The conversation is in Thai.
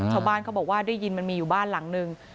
ชาวบ้านเขาบอกว่าได้ยินมันมีอยู่บ้านหลังนึง